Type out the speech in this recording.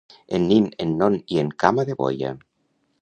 En Nin, en Non i en Cama de boia.